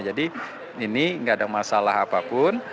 jadi ini tidak ada masalah apapun